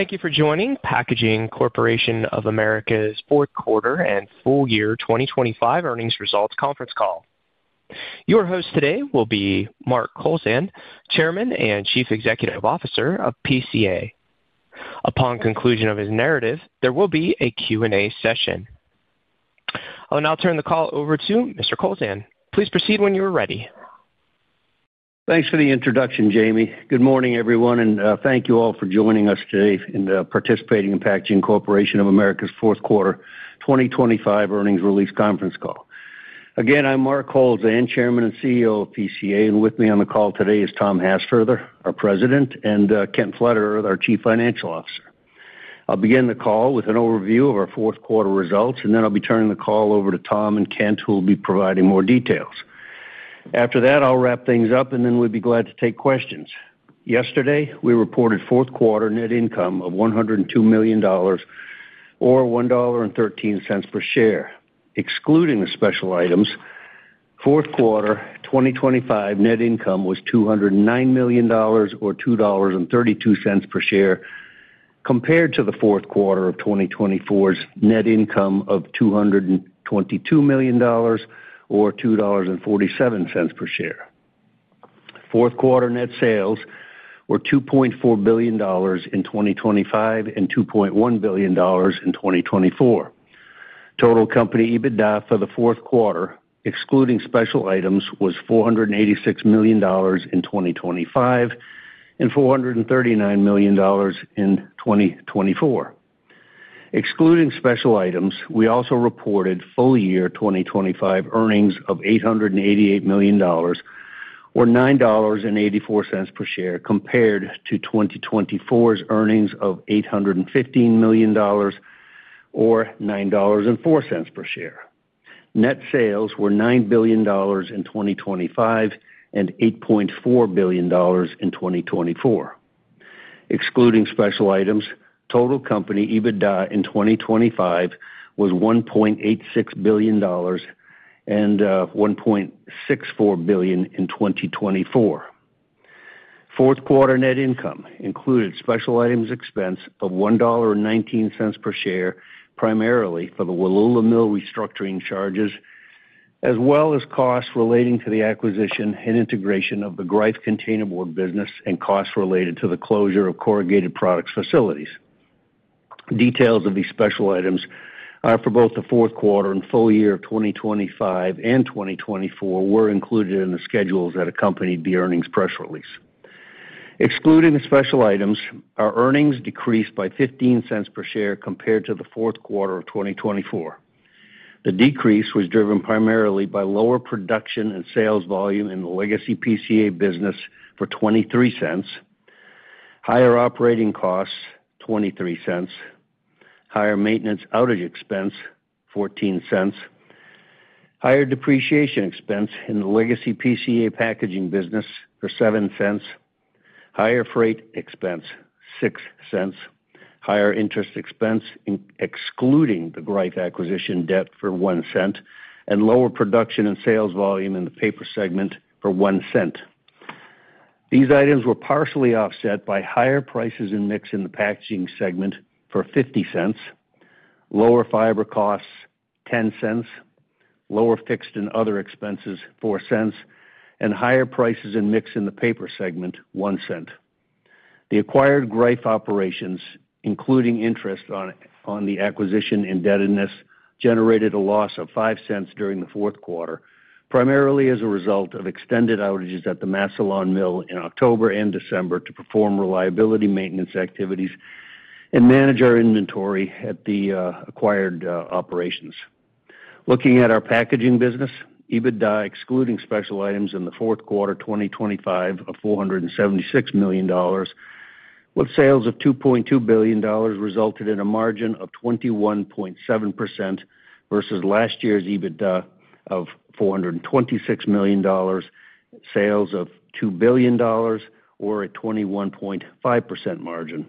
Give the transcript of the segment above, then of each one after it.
Thank you for joining Packaging Corporation of America's Fourth Quarter and Full-Year 2025 Earnings Results Conference Call. Your host today will be Mark Kowlzan, Chairman and Chief Executive Officer of PCA. Upon conclusion of his narrative, there will be a Q&A session. I'll now turn the call over to Mr. Kowlzan. Please proceed when you are ready. Thanks for the introduction, Jamie. Good morning, everyone, and thank you all for joining us today and participating in Packaging Corporation of America's Fourth Quarter and Full-Year 2025 Earnings Results Conference Call. Again, I'm Mark Kowlzan, Chairman and CEO of PCA, and with me on the call today is Tom Hassfurther, our President, and Kent Pflederer, our Chief Financial Officer. I'll begin the call with an overview of our fourth quarter results, and then I'll be turning the call over to Tom and Kent, who will be providing more details. After that, I'll wrap things up, and then we'd be glad to take questions. Yesterday, we reported fourth quarter net income of $102 million or $1.13 per share. Excluding the special items, fourth quarter 2025 net income was $209 million, or $2.32 per share, compared to the fourth quarter of 2024's net income of $222 million, or $2.47 per share. Fourth quarter net sales were $2.4 billion in 2025 and $2.1 billion in 2024. Total company EBITDA for the fourth quarter, excluding special items, was $486 million in 2025 and $439 million in 2024. Excluding special items, we also reported full-year 2025 earnings of $888 million or $9.84 per share, compared to 2024's earnings of $815 million or $9.04 per share. Net sales were $9 billion in 2025 and $8.4 billion in 2024. Excluding special items, total company EBITDA in 2025 was $1.86 billion and $1.64 billion in 2024. Fourth quarter net income included special items expense of $1.19 per share, primarily for the Wallula Mill restructuring charges, as well as costs relating to the acquisition and integration of the Greif containerboard business and costs related to the closure of corrugated products facilities. Details of these special items for both the fourth quarter and full-year of 2025 and 2024 were included in the schedules that accompanied the earnings press release. Excluding the special items, our earnings decreased by $0.15 per share compared to the fourth quarter of 2024. The decrease was driven primarily by lower production and sales volume in the legacy PCA business for $0.23, higher operating costs, $0.23, higher maintenance outage expense, $0.14, higher depreciation expense in the legacy PCA packaging business for $0.07, higher freight expense, $0.06, higher interest expense, excluding the Greif acquisition debt for $0.01, and lower production and sales volume in the paper segment for $0.01. These items were partially offset by higher prices and mix in the packaging segment for $0.50, lower fiber costs, $0.10, lower fixed and other expenses, $0.04, and higher prices and mix in the paper segment, $0.01. The acquired Greif operations, including interest on the acquisition indebtedness, generated a loss of $0.05 during the fourth quarter, primarily as a result of extended outages at the Massillon Mill in October and December to perform reliability maintenance activities and manage our inventory at the acquired operations. Looking at our packaging business, EBITDA, excluding special items in the fourth quarter, 2025 of $476 million, with sales of $2.2 billion, resulted in a margin of 21.7% versus last year's EBITDA of $426 million, sales of $2 billion or a 21.5% margin.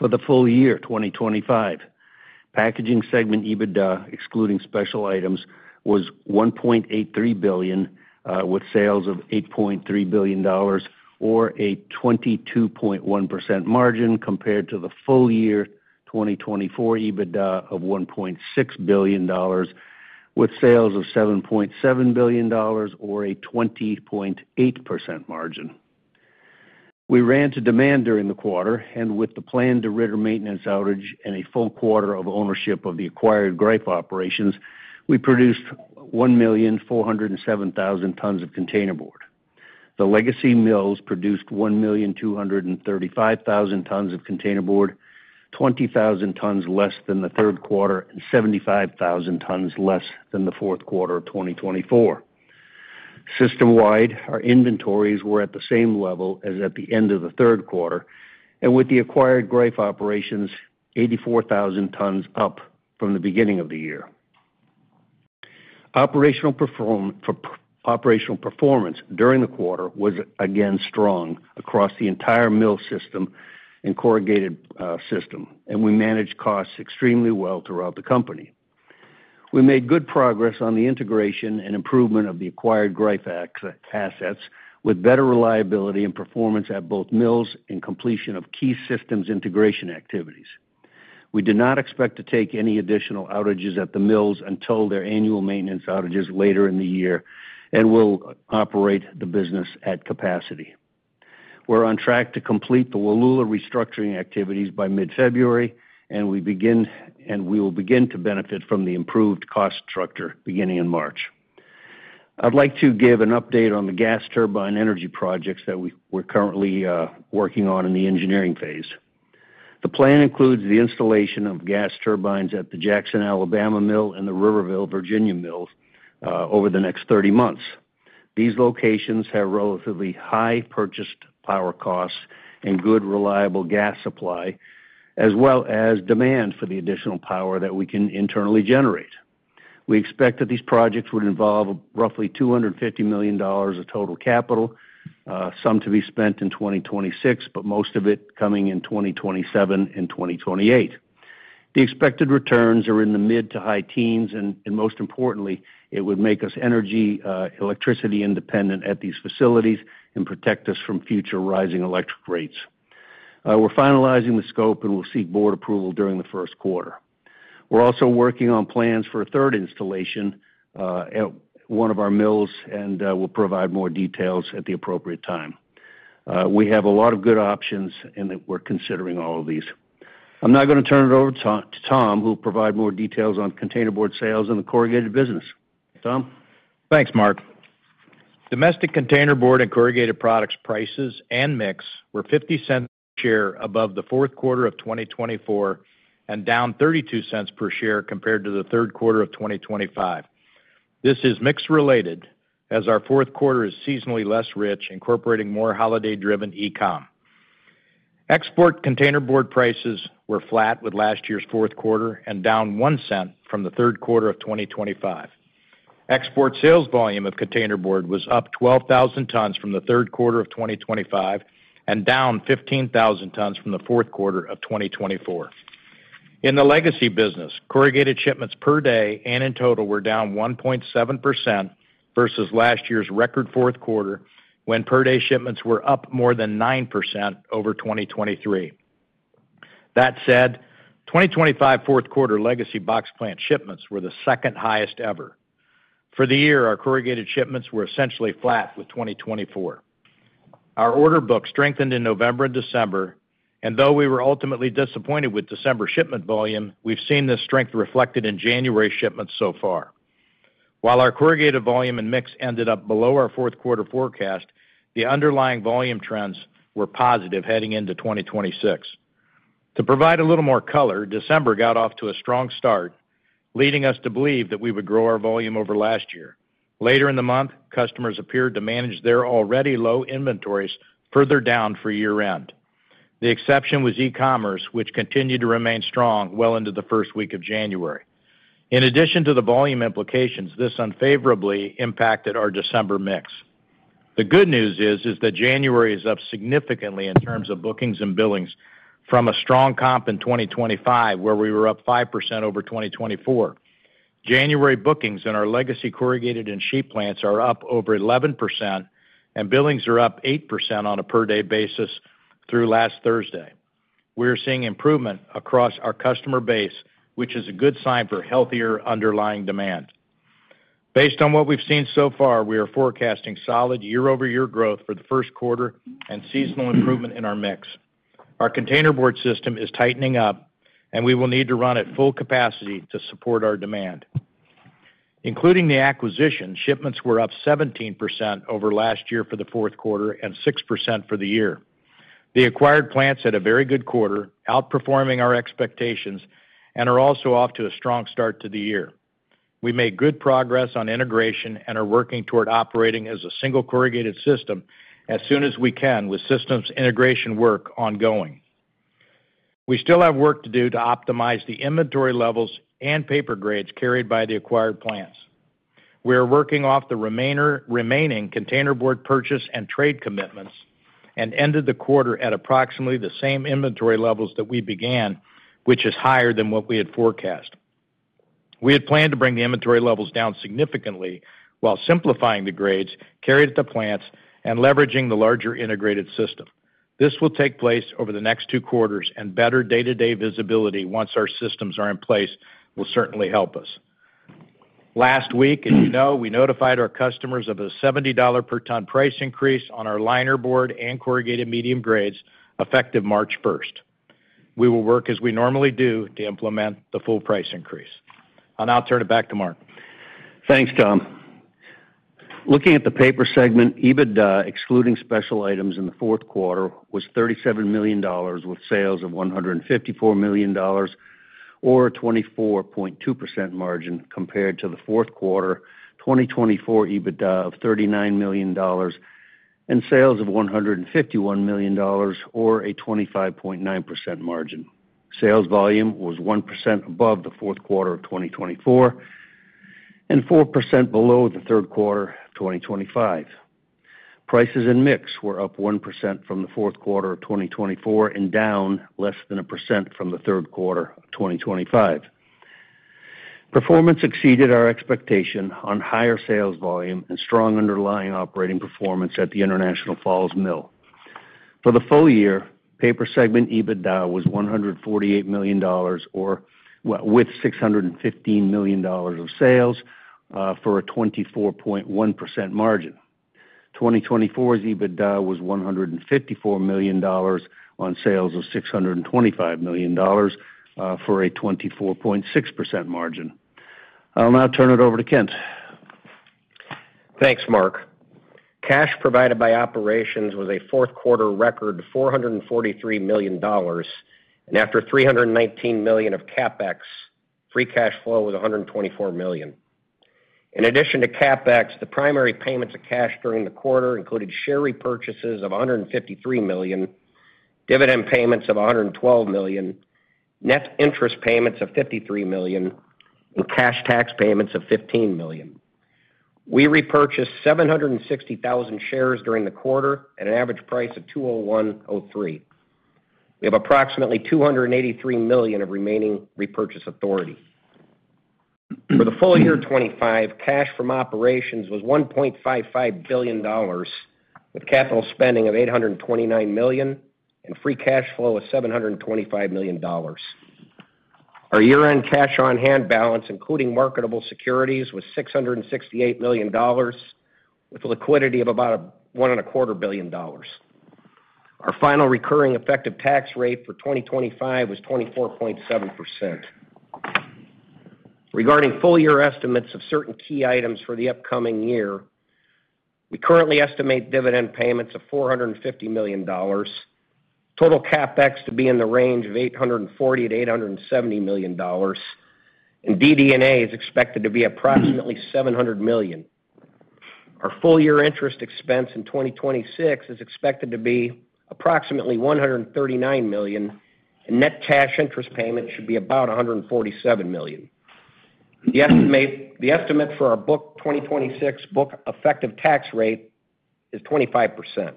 For the full-year 2025, packaging segment EBITDA, excluding special items, was $1.83 billion, with sales of $8.3 billion, or a 22.1% margin, compared to the full-year 2024 EBITDA of $1.6 billion, with sales of $7.7 billion or a 20.8% margin. We ran to demand during the quarter, and with the planned DeRidder maintenance outage and a full quarter of ownership of the acquired Greif operations, we produced 1,407,000 tons of containerboard. The legacy mills produced 1,235,000 tons of containerboard, 20,000 tons less than the third quarter and 75,000 tons less than the fourth quarter of 2024. System-wide, our inventories were at the same level as at the end of the third quarter, and with the acquired Greif operations, 84,000 tons up from the beginning of the year. Operational performance during the quarter was again strong across the entire mill system and corrugated system, and we managed costs extremely well throughout the company. We made good progress on the integration and improvement of the acquired Greif assets, with better reliability and performance at both mills and completion of key systems integration activities. We do not expect to take any additional outages at the mills until their annual maintenance outages later in the year, and we'll operate the business at capacity. We're on track to complete the Wallula restructuring activities by mid-February, and we will begin to benefit from the improved cost structure beginning in March. I'd like to give an update on the gas turbine energy projects that we're currently working on in the engineering phase. The plan includes the installation of gas turbines at the Jackson, Alabama mill and the Riverville, Virginia mills over the next 30 months. These locations have relatively high purchased power costs and good, reliable gas supply, as well as demand for the additional power that we can internally generate. We expect that these projects would involve roughly $250 million of total capital, some to be spent in 2026, but most of it coming in 2027 and 2028. The expected returns are in the mid- to high teens, and most importantly, it would make us energy, electricity independent at these facilities and protect us from future rising electric rates. We're finalizing the scope, and we'll seek board approval during the first quarter. We're also working on plans for a third installation at one of our mills, and we'll provide more details at the appropriate time. We have a lot of good options, and that we're considering all of these. I'm now gonna turn it over to Tom, who will provide more details on containerboard sales in the corrugated business. Tom? Thanks, Mark. Domestic containerboard and corrugated products prices and mix were $0.50 per share above the fourth quarter of 2024, and down $0.32 per share compared to the third quarter of 2025. This is mix related, as our fourth quarter is seasonally less rich, incorporating more holiday-driven e-com. Export containerboard prices were flat with last year's fourth quarter and down $0.01 from the third quarter of 2025. Export sales volume of containerboard was up 12,000 tons from the third quarter of 2025 and down 15,000 tons from the fourth quarter of 2024. In the legacy business, corrugated shipments per day and in total were down 1.7% versus last year's record fourth quarter, when per-day shipments were up more than 9% over 2023. That said, 2025 fourth quarter legacy box plant shipments were the second highest ever. For the year, our corrugated shipments were essentially flat with 2024. Our order book strengthened in November and December, and though we were ultimately disappointed with December shipment volume, we've seen this strength reflected in January shipments so far. While our corrugated volume and mix ended up below our fourth quarter forecast, the underlying volume trends were positive heading into 2026. To provide a little more color, December got off to a strong start, leading us to believe that we would grow our volume over last year. Later in the month, customers appeared to manage their already low inventories further down for year-end. The exception was e-commerce, which continued to remain strong well into the first week of January. In addition to the volume implications, this unfavorably impacted our December mix. The good news is that January is up significantly in terms of bookings and billings from a strong comp in 2025, where we were up 5% over 2024. January bookings in our legacy corrugated and sheet plants are up over 11%, and billings are up 8% on a per-day basis through last Thursday. We're seeing improvement across our customer base, which is a good sign for healthier underlying demand. Based on what we've seen so far, we are forecasting solid year-over-year growth for the first quarter and seasonal improvement in our mix. Our containerboard system is tightening up, and we will need to run at full capacity to support our demand. Including the acquisition, shipments were up 17% over last year for the fourth quarter and 6% for the year. The acquired plants had a very good quarter, outperforming our expectations, and are also off to a strong start to the year. We made good progress on integration and are working toward operating as a single corrugated system as soon as we can, with systems integration work ongoing. We still have work to do to optimize the inventory levels and paper grades carried by the acquired plants. We are working off the remaining containerboard purchase and trade commitments, and ended the quarter at approximately the same inventory levels that we began, which is higher than what we had forecast. We had planned to bring the inventory levels down significantly while simplifying the grades carried at the plants and leveraging the larger integrated system. This will take place over the next two quarters, and better day-to-day visibility, once our systems are in place, will certainly help us. Last week, as you know, we notified our customers of a $70 per ton price increase on our linerboard and corrugated medium grades, effective March 1st. We will work as we normally do to implement the full price increase. I'll now turn it back to Mark. Thanks, Tom. Looking at the paper segment, EBITDA, excluding special items in the fourth quarter, was $37 million, with sales of $154 million, or a 24.2% margin compared to the fourth quarter 2024 EBITDA of $39 million and sales of $151 million, or a 25.9% margin. Sales volume was 1% above the fourth quarter of 2024 and 4% below the third quarter of 2025. Prices and mix were up 1% from the fourth quarter of 2024, and down less than 1% from the third quarter of 2025. Performance exceeded our expectation on higher sales volume and strong underlying operating performance at the International Falls Mill. For the full-year, paper segment EBITDA was $148 million with $615 million of sales, for a 24.1% margin. 2024's EBITDA was $154 million on sales of $625 million, for a 24.6% margin. I'll now turn it over to Kent. Thanks, Mark. Cash provided by operations was a fourth quarter record, $443 million, and after $319 million of CapEx, free cash flow was $124 million. In addition to CapEx, the primary payments of cash during the quarter included share repurchases of $153 million, dividend payments of $112 million, net interest payments of $53 million, and cash tax payments of $15 million. We repurchased 760,000 shares during the quarter at an average price of $201.03. We have approximately $283 million of remaining repurchase authority. For the full-year 2025, cash from operations was $1.55 billion, with capital spending of $829 million, and free cash flow of $725 million. Our year-end cash on hand balance, including marketable securities, was $668 million, with a liquidity of about $1.25 billion. Our final recurring effective tax rate for 2025 was 24.7%. Regarding full-year estimates of certain key items for the upcoming year, we currently estimate dividend payments of $450 million, total CapEx to be in the range of $840 million-$870 million, and DD&A is expected to be approximately $700 million. Our full-year interest expense in 2026 is expected to be approximately $139 million, and net cash interest payment should be about $147 million. The estimate, the estimate for our book, 2026 book effective tax rate is 25%.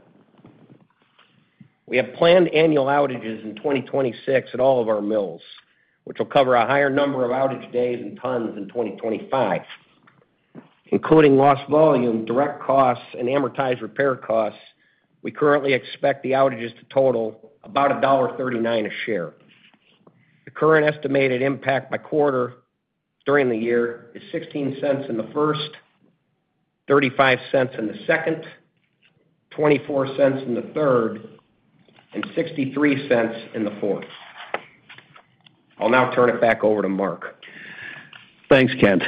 We have planned annual outages in 2026 at all of our mills, which will cover a higher number of outage days and tons in 2025. Including lost volume, direct costs, and amortized repair costs, we currently expect the outages to total about $1.39 a share. The current estimated impact by quarter during the year is $0.16 in the first, $0.35 in the second, $0.24 in the third, and $0.63 in the fourth. I'll now turn it back over to Mark. Thanks, Kent.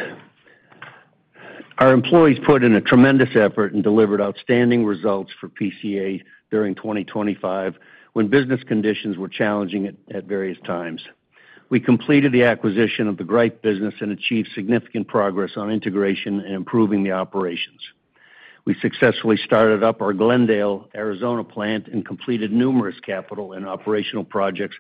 Our employees put in a tremendous effort and delivered outstanding results for PCA during 2025, when business conditions were challenging at various times. We completed the acquisition of the Greif business and achieved significant progress on integration and improving the operations. We successfully started up our Glendale, Arizona plant and completed numerous capital and operational projects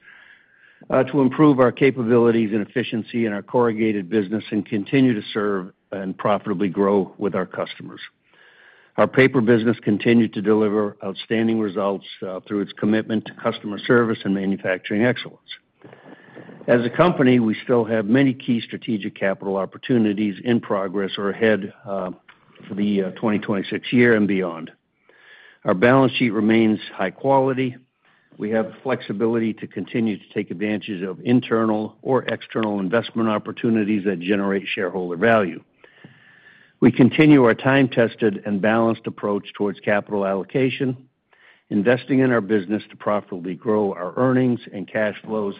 to improve our capabilities and efficiency in our corrugated business and continue to serve and profitably grow with our customers. Our paper business continued to deliver outstanding results through its commitment to customer service and manufacturing excellence. As a company, we still have many key strategic capital opportunities in progress or ahead for the 2026 year and beyond. Our balance sheet remains high quality. We have the flexibility to continue to take advantages of internal or external investment opportunities that generate shareholder value. We continue our time-tested and balanced approach towards capital allocation, investing in our business to profitably grow our earnings and cash flows,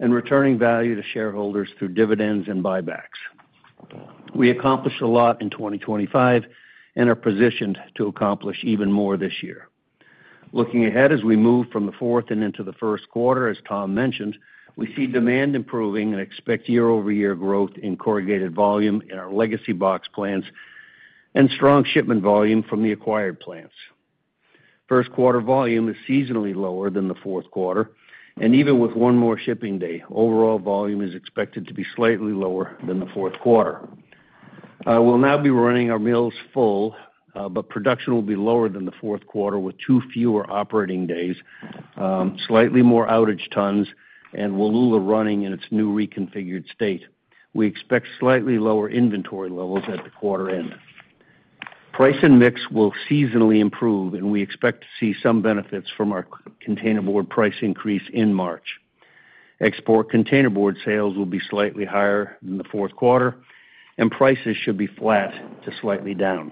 and returning value to shareholders through dividends and buybacks. We accomplished a lot in 2025 and are positioned to accomplish even more this year. Looking ahead, as we move from the fourth and into the first quarter, as Tom mentioned, we see demand improving and expect year-over-year growth in corrugated volume in our legacy box plants and strong shipment volume from the acquired plants. First quarter volume is seasonally lower than the fourth quarter, and even with 1 more shipping day, overall volume is expected to be slightly lower than the fourth quarter. We'll now be running our mills full, but production will be lower than the fourth quarter, with two fewer operating days, slightly more outage tons, and Wallula running in its new reconfigured state. We expect slightly lower inventory levels at the quarter end. Price and mix will seasonally improve, and we expect to see some benefits from our containerboard price increase in March. Export containerboard sales will be slightly higher than the fourth quarter, and prices should be flat to slightly down.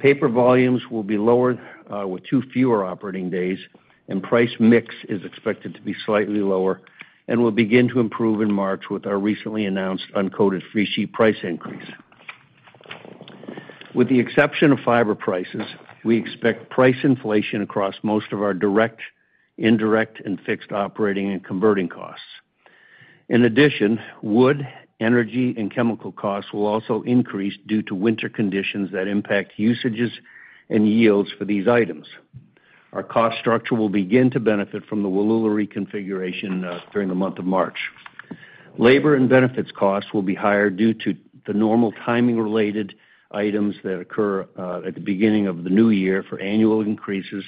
Paper volumes will be lower, with two fewer operating days, and price mix is expected to be slightly lower and will begin to improve in March with our recently announced uncoated freesheet price increase. With the exception of fiber prices, we expect price inflation across most of our direct, indirect, and fixed operating and converting costs. In addition, wood, energy, and chemical costs will also increase due to winter conditions that impact usages and yields for these items. Our cost structure will begin to benefit from the Wallula reconfiguration during the month of March. Labor and benefits costs will be higher due to the normal timing-related items that occur at the beginning of the new year for annual increases,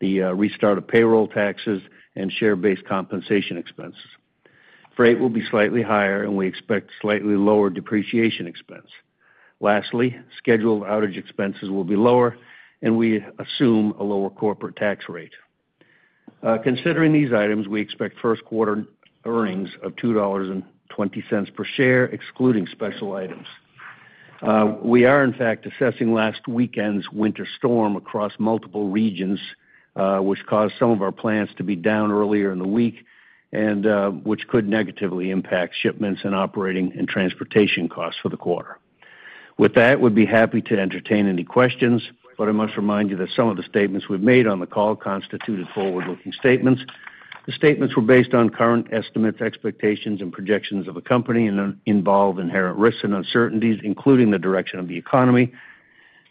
the restart of payroll taxes and share-based compensation expenses. Freight will be slightly higher, and we expect slightly lower depreciation expense. Lastly, scheduled outage expenses will be lower, and we assume a lower corporate tax rate. Considering these items, we expect first quarter earnings of $2.20 per share, excluding special items. We are, in fact, assessing last weekend's winter storm across multiple regions, which caused some of our plants to be down earlier in the week, and which could negatively impact shipments and operating and transportation costs for the quarter. With that, we'd be happy to entertain any questions, but I must remind you that some of the statements we've made on the call constituted forward-looking statements. The statements were based on current estimates, expectations, and projections of the company, and involve inherent risks and uncertainties, including the direction of the economy,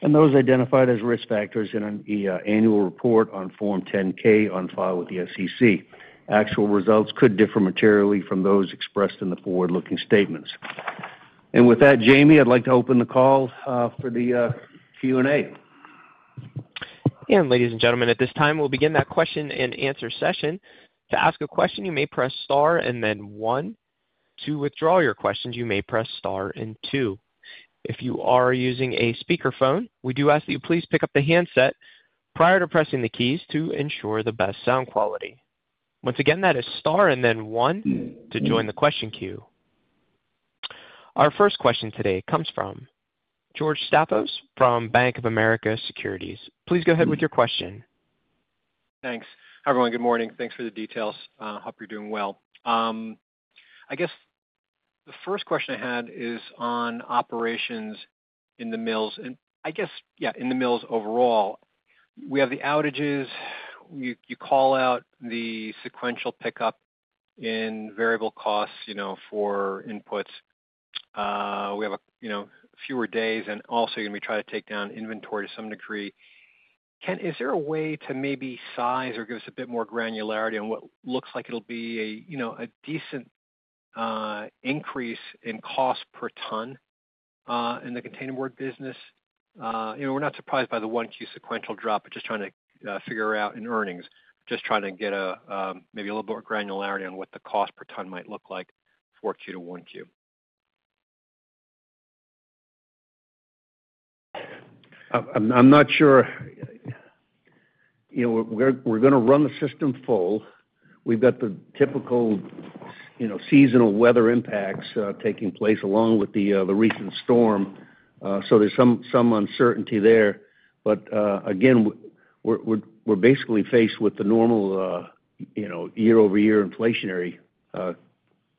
and those identified as risk factors in the annual report on Form 10-K on file with the SEC. Actual results could differ materially from those expressed in the forward-looking statements. With that, Jamie, I'd like to open the call for the Q&A. Ladies and gentlemen, at this time, we'll begin that question-and-answer session. To ask a question, you may press star and then one. To withdraw your questions, you may press star and two. If you are using a speakerphone, we do ask that you please pick up the handset prior to pressing the keys to ensure the best sound quality. Once again, that is star and then one to join the question queue. Our first question today comes from George Staphos from Bank of America Securities. Please go ahead with your question. Thanks. Hi, everyone. Good morning. Thanks for the details. Hope you're doing well. I guess the first question I had is on operations in the mills, and I guess, yeah, in the mills overall. We have the outages. You call out the sequential pickup in variable costs, you know, for inputs. We have, you know, fewer days and also going to be trying to take down inventory to some degree. Kent, is there a way to maybe size or give us a bit more granularity on what looks like it'll be a, you know, a decent increase in cost per ton in the containerboard business? You know, we're not surprised by the 1Q sequential drop, but just trying to figure out in earnings. Just trying to get a, maybe a little more granularity on what the cost per ton might look like for Q2 to Q1? I'm not sure. You know, we're gonna run the system full. We've got the typical, you know, seasonal weather impacts taking place, along with the recent storm. So there's some uncertainty there. But, again, we're basically faced with the normal, you know, year-over-year inflationary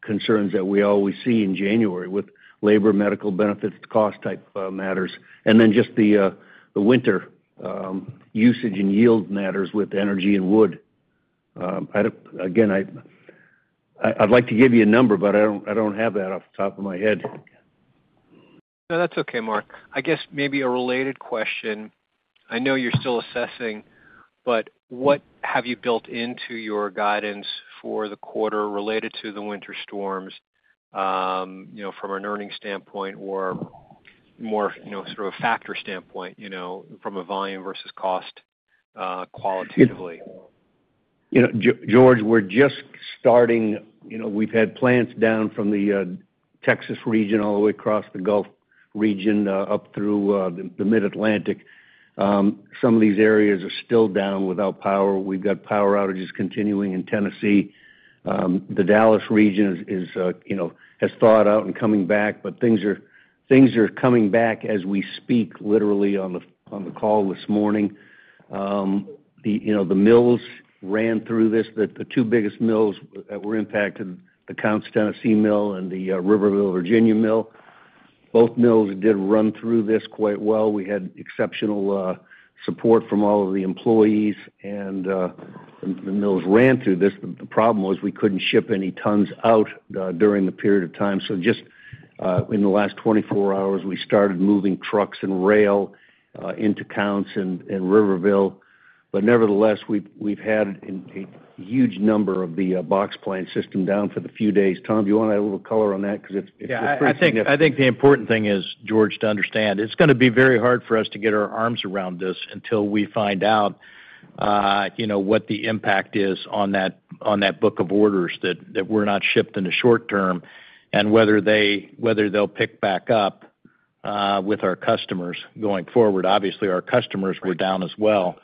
concerns that we always see in January with labor, medical benefits, cost type matters, and then just the winter usage and yield matters with energy and wood. I don't. Again, I'd like to give you a number, but I don't have that off the top of my head. No, that's okay, Mark. I guess maybe a related question. I know you're still assessing, but what have you built into your guidance for the quarter related to the winter storms, you know, from an earnings standpoint or more, you know, sort of a factor standpoint, you know, from a volume versus cost, qualitatively? You know, George, we're just starting. You know, we've had plants down from the Texas region all the way across the Gulf region up through the Mid-Atlantic. Some of these areas are still down without power. We've got power outages continuing in Tennessee. The Dallas region is, you know, has thawed out and coming back, but things are coming back as we speak, literally on the call this morning. You know, the mills ran through this. The two biggest mills that were impacted, the Counce, Tennessee mill and the Riverville, Virginia mill, both mills did run through this quite well. We had exceptional support from all of the employees, and the mills ran through this. The problem was we couldn't ship any tons out during the period of time. So just, in the last 24 hours, we started moving trucks and rail into Counce and Riverville. But nevertheless, we've had a huge number of the box plant system down for the few days. Tom, do you want to add a little color on that? Because it's pretty significant. Yeah, I think the important thing is, George, to understand, it's gonna be very hard for us to get our arms around this until we find out, you know, what the impact is on that book of orders that were not shipped in the short term, and whether they'll pick back up with our customers going forward. Obviously, our customers were down as well.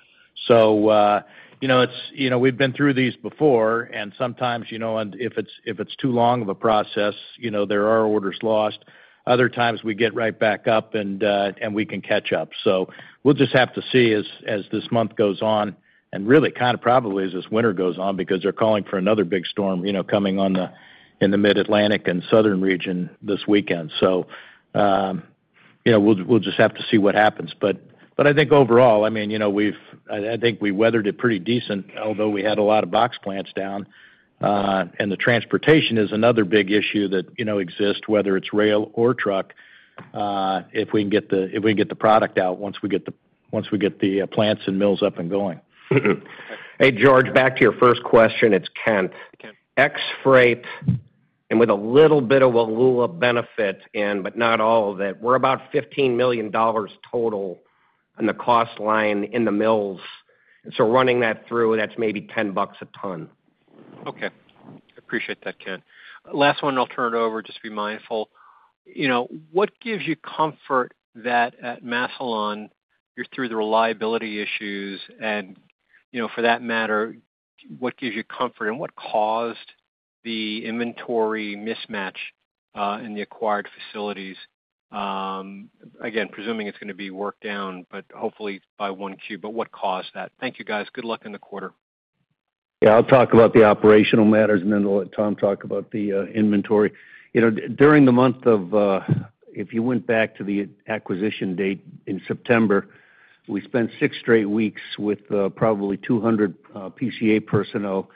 So, you know, it's. You know, we've been through these before, and sometimes, you know, and if it's too long of a process, you know, there are orders lost. Other times, we get right back up and we can catch up. So we'll just have to see as this month goes on and really kind of probably as this winter goes on, because they're calling for another big storm, you know, coming on the, in the Mid-Atlantic and Southern region this weekend. So, you know, we'll just have to see what happens. But I think overall, I mean, you know, we've I think we weathered it pretty decent, although we had a lot of box plants down. And the transportation is another big issue that, you know, exists, whether it's rail or truck, if we can get the product out, once we get the plants and mills up and going. Hey, George, back to your first question, it's Kent. Ex-freight, and with a little bit of Wallula benefit in, but not all of it, we're about $15 million total on the cost line in the mills. So running that through, that's maybe $10 a ton. Okay. I appreciate that, Kent. Last one, and I'll turn it over. Just be mindful. You know, what gives you comfort that at Massillon, you're through the reliability issues, and, you know, for that matter, what gives you comfort, and what caused the inventory mismatch in the acquired facilities? Again, presuming it's gonna be worked down, but hopefully by one Q. But what caused that? Thank you, guys. Good luck in the quarter. Yeah, I'll talk about the operational matters, and then I'll let Tom talk about the inventory. You know, during the month of. If you went back to the acquisition date in September, we spent 6 straight weeks with probably 200 PCA personnel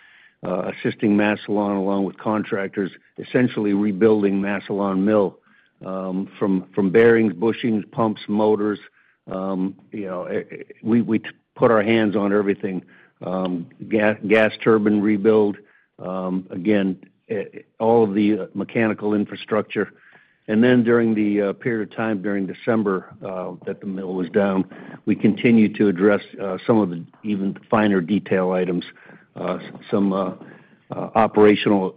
assisting Massillon, along with contractors, essentially rebuilding Massillon Mill from bearings, bushings, pumps, motors. You know, we put our hands on everything, gas turbine rebuild, again, all of the mechanical infrastructure. And then during the period of time during December that the mill was down, we continued to address some of the even finer detail items, some operational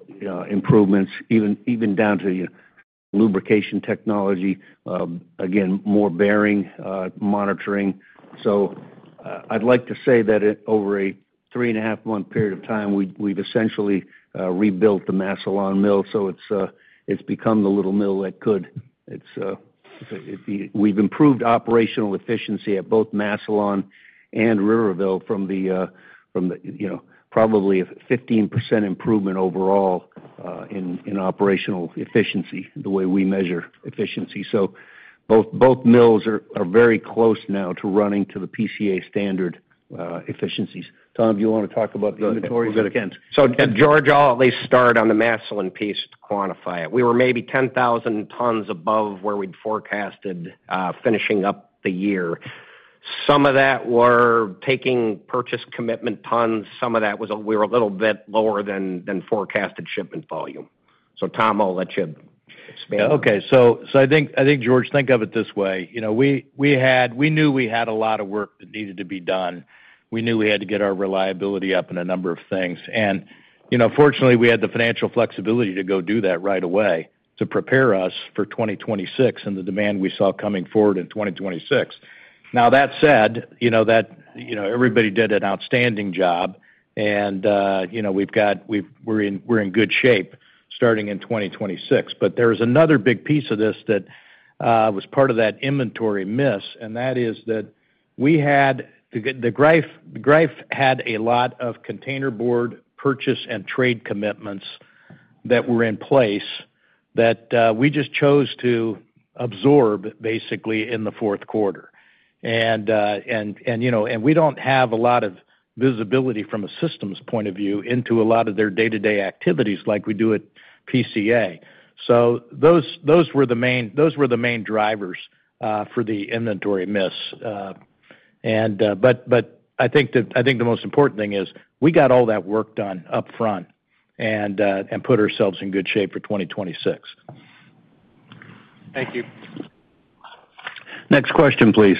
improvements, even down to the lubrication technology, again, more bearing monitoring. I'd like to say that in over a 3.5-month period of time, we've essentially rebuilt the Massillon Mill, so it's become the little mill that could. We've improved operational efficiency at both Massillon and Riverville from the, from the, you know, probably a 15% improvement overall, in operational efficiency, the way we measure efficiency. So both mills are very close now to running to the PCA standard efficiencies. Tom, do you want to talk about the inventory again? So, George, I'll at least start on the Massillon piece to quantify it. We were maybe 10,000 tons above where we'd forecasted, finishing up the year. Some of that were taking purchase commitment tons. Some of that was we were a little bit lower than forecasted shipment volume. So Tom, I'll let you expand. Okay, so I think, George, think of it this way: you know, we had, we knew we had a lot of work that needed to be done. We knew we had to get our reliability up in a number of things. And, you know, fortunately, we had the financial flexibility to go do that right away to prepare us for 2026 and the demand we saw coming forward in 2026. Now, that said, you know, everybody did an outstanding job, and, you know, we're in good shape starting in 2026. But there is another big piece of this that was part of that inventory miss, and that is that we had the Greif. The Greif had a lot of containerboard purchase and trade commitments that were in place that we just chose to absorb, basically, in the fourth quarter. And, and, you know, we don't have a lot of visibility from a systems point of view into a lot of their day-to-day activities like we do at PCA. So those, those were the main, those were the main drivers for the inventory miss. And, but, but I think the, I think the most important thing is we got all that work done upfront and put ourselves in good shape for 2026. Thank you. Next question, please.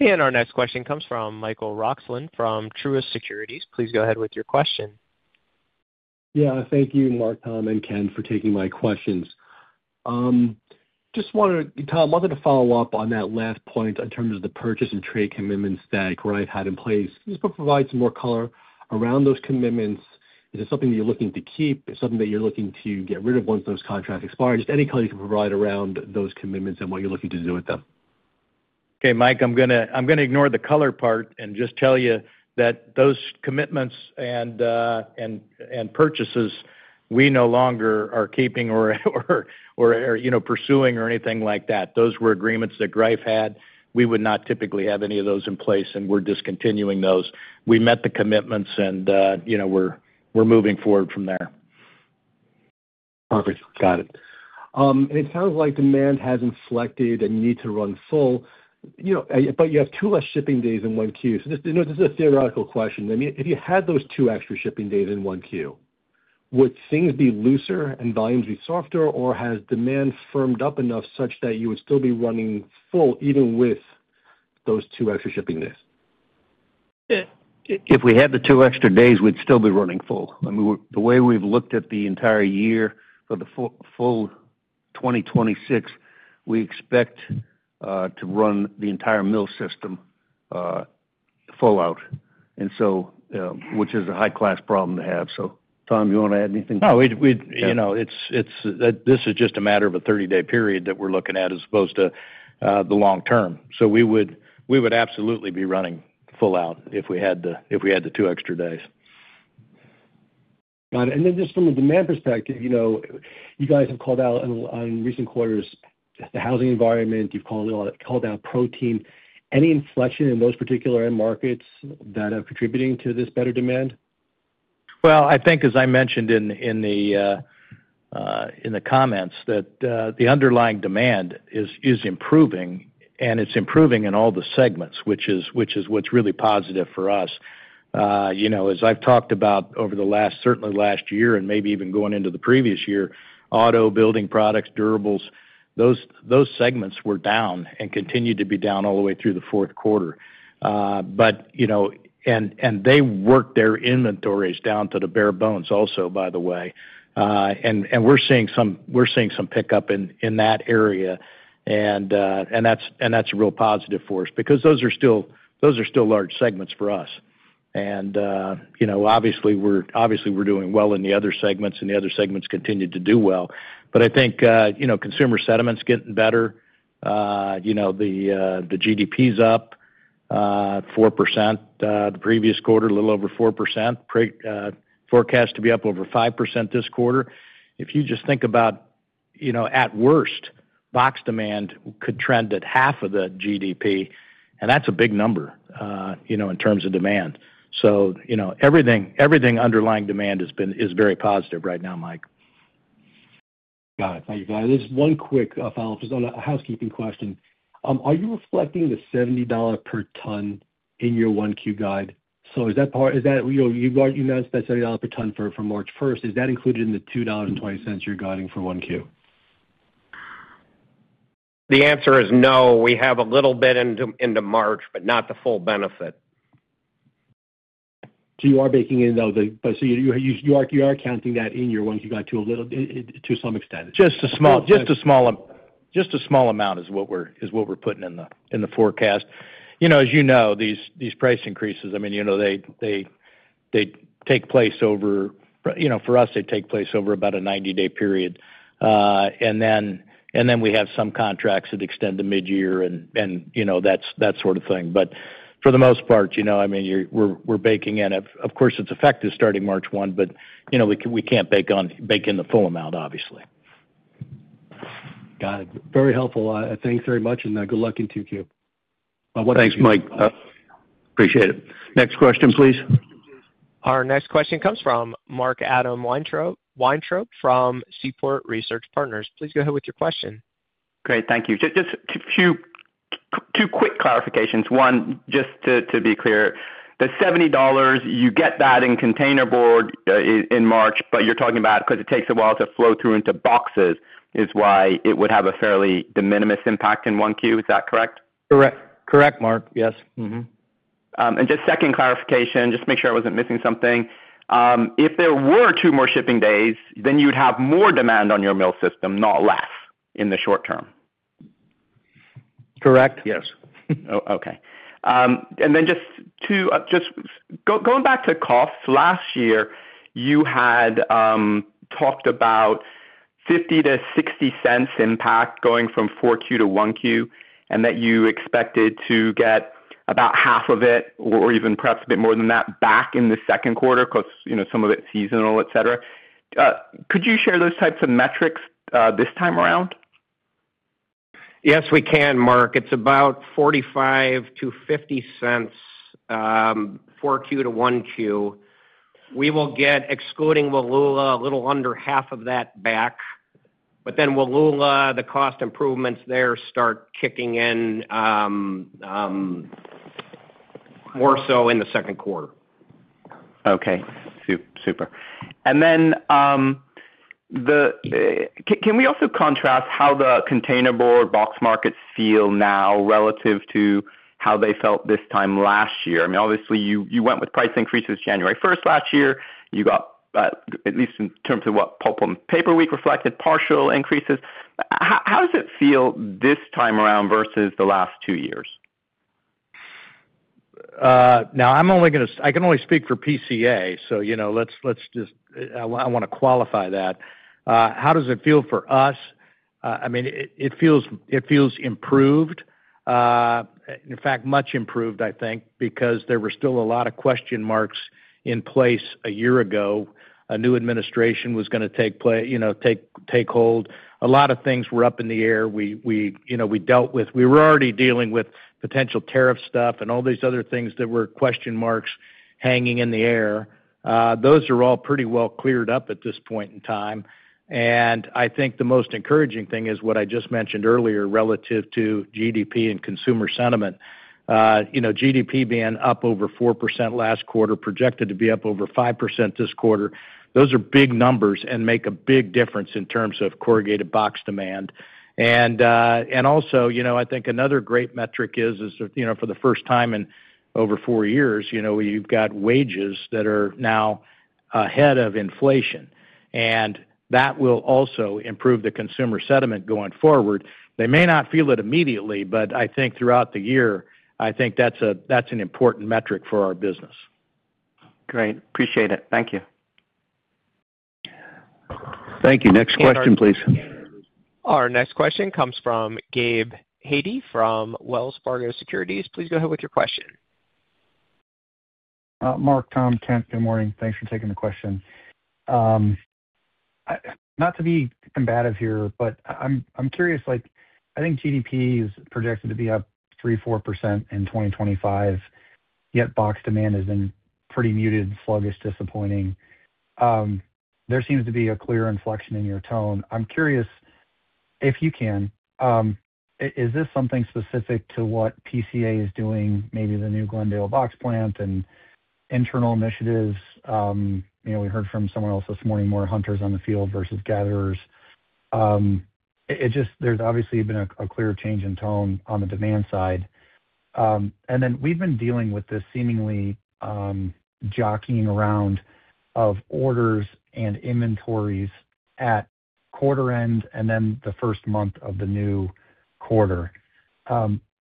Our next question comes from Michael Roxland from Truist Securities. Please go ahead with your question. Yeah, thank you, Mark, Tom, and Kent, for taking my questions. Just wanted to, Tom, I wanted to follow up on that last point in terms of the purchase and trade commitments that Greif had in place. Just want to provide some more color around those commitments. Is it something you're looking to keep? Is it something that you're looking to get rid of once those contracts expire? Just any color you can provide around those commitments and what you're looking to do with them. Okay, Mike, I'm gonna, I'm gonna ignore the color part and just tell you that those commitments and, and, and purchases, we no longer are keeping or, or, or, you know, pursuing or anything like that. Those were agreements that Greif had. We would not typically have any of those in place, and we're discontinuing those. We met the commitments, and, you know, we're, we're moving forward from there. Perfect. Got it. And it sounds like demand hasn't slackened, and you need to run full, you know, but you have two less shipping days in 1Q. So just, you know, this is a theoretical question. I mean, if you had those two extra shipping days in 1Q, would things be looser and volumes be softer, or has demand firmed up enough such that you would still be running full, even with those two extra shipping days? If we had the two extra days, we'd still be running full. I mean, we're the way we've looked at the entire year for the full, full 2026, we expect to run the entire mill system full out. And so, which is a high-class problem to have. So Tom, you want to add anything? No, we'd, we'd. You know, it's, it's, this is just a matter of a 30-day period that we're looking at as opposed to, the long term. So we would, we would absolutely be running full out if we had the, if we had the two extra days. Got it. And then just from a demand perspective, you know, you guys have called out on, on recent quarters, the housing environment, you've called out, called out protein. Any inflection in those particular end markets that are contributing to this better demand? Well, I think as I mentioned in the comments, that the underlying demand is improving, and it's improving in all the segments, which is what's really positive for us. You know, as I've talked about over the last, certainly last year and maybe even going into the previous year, auto building products, durables, those segments were down and continued to be down all the way through the fourth quarter. But, you know, and they worked their inventories down to the bare bones also, by the way. And we're seeing some pickup in that area, and that's a real positive for us because those are still large segments for us. Obviously, we're doing well in the other segments, and the other segments continued to do well. But I think, you know, consumer sentiment is getting better. You know, the GDP is up 4% the previous quarter, a little over 4%. Previously forecast to be up over 5% this quarter. If you just think about, you know, at worst, box demand could trend at half of the GDP, and that's a big number, you know, in terms of demand. So, you know, everything, everything underlying demand has been, is very positive right now, Mike. Got it. Thank you, guys. Just one quick follow-up, just on a housekeeping question. Are you reflecting the $70 per ton in your 1Q guide? So is that part- is that, you know, you guys, you announced that $70 per ton for, for March 1, is that included in the $2.20 you're guiding for 1Q? The answer is no. We have a little bit into March, but not the full benefit. So you are baking in, though, the. So you, you are, you are counting that in your 1Q guide to a little, to some extent? Just a small amount is what we're putting in the forecast. You know, as you know, these price increases, I mean, you know, they take place over, you know, for us, they take place over about a 90-day period. And then we have some contracts that extend to mid-year and, you know, that's that sort of thing. But for the most part, you know, I mean, we're baking in. Of course, it's effective starting March 1, but, you know, we can't bake in the full amount, obviously. Got it. Very helpful. Thanks very much, and good luck in 2Q. Thanks, Mike. Appreciate it. Next question, please. Our next question comes from Mark Weintraub from Seaport Research Partners. Please go ahead with your question. Great. Thank you. Just a few, two quick clarifications. One, just to be clear, the $70 you get that in containerboard in March, but you're talking about because it takes a while to flow through into boxes, is why it would have a fairly de minimis impact in 1Q. Is that correct? Correct. Correct, Mark. Yes. Mm-hmm. And just second clarification, just to make sure I wasn't missing something. If there were two more shipping days, then you'd have more demand on your mill system, not less, in the short term? Correct, yes. Oh, okay. And then just to, going back to costs, last year, you had talked about $0.50-$0.60 impact going from 4Q to 1Q, and that you expected to get about half of it, or even perhaps a bit more than that, back in the second quarter, because, you know, some of it's seasonal, et cetera. Could you share those types of metrics this time around? Yes, we can, Mark. It's about $0.45-$0.50, 4Q-1Q. We will get, excluding Wallula, a little under half of that back, but then Wallula, the cost improvements there start kicking in, more so in the second quarter. Okay. Super. And then, can we also contrast how the containerboard box markets feel now relative to how they felt this time last year? I mean, obviously, you went with price increases January first last year. You got, at least in terms of what Pulp and Paper Week reflected, partial increases. How does it feel this time around versus the last two years? Now, I can only speak for PCA, so, you know, let's just. I wanna qualify that. How does it feel for us? I mean, it feels improved. In fact, much improved, I think, because there were still a lot of question marks in place a year ago. A new administration was gonna take pla, you know, take hold. A lot of things were up in the air. You know, we dealt with, we were already dealing with potential tariff stuff and all these other things that were question marks hanging in the air. Those are all pretty well cleared up at this point in time, and I think the most encouraging thing is what I just mentioned earlier, relative to GDP and consumer sentiment. You know, GDP being up over 4% last quarter, projected to be up over 5% this quarter, those are big numbers and make a big difference in terms of corrugated box demand. And, and also, you know, I think another great metric is, you know, for the first time in over four years, you know, you've got wages that are now ahead of inflation, and that will also improve the consumer sentiment going forward. They may not feel it immediately, but I think throughout the year, I think that's an important metric for our business. Great. Appreciate it. Thank you. Thank you. Next question, please. Our next question comes from Gabe Hajde, from Wells Fargo Securities. Please go ahead with your question. Mark, Tom, Ken, good morning. Thanks for taking the question. I, not to be combative here, but I'm curious, like, I think GDP is projected to be up 3%-4% in 2025, yet box demand has been pretty muted, sluggish, disappointing. There seems to be a clear inflection in your tone. I'm curious, if you can, is this something specific to what PCA is doing, maybe the new Glendale box plant and internal initiatives? You know, we heard from someone else this morning, more hunters on the field versus gatherers. It just. There's obviously been a clear change in tone on the demand side. And then we've been dealing with this seemingly, jockeying around of orders and inventories at quarter end, and then the first month of the new quarter.